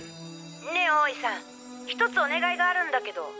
ねえ大井さん１つお願いがあるんだけど。